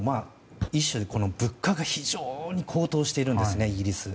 物価が非常に高騰をしているんですね、イギリス。